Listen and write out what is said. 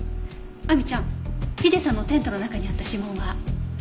亜美ちゃんヒデさんのテントの中にあった指紋は？